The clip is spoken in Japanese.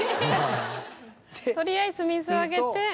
取りあえず水あげて。